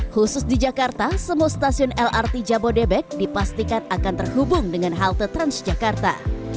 khusus di jakarta semua stasiun lrt jabodebek dipastikan akan terhubung dengan halte transjakarta